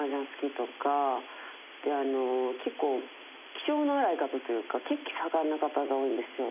結構気性の荒い方というか血気盛んな方が多いんですよ。